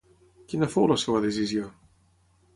Quina fou la seva decisió?